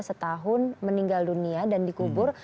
setahun meninggal dunia dan dikubur